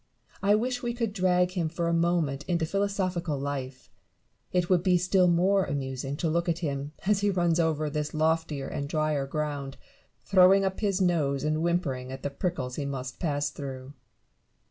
I wish we could drag him for a moment into philosophical life : it would be still more amusing to look at him, as he runs over this loftier and dryer ground, throwing up his nose and whimpering at the prickles he must pass through.